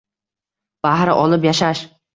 Bahra olib yashash